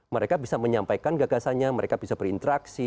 mereka bisa menyampaikan gagasannya mereka bisa berinteraksi